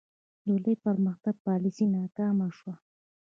د لوی پرمختګ پالیسي ناکامه شوه.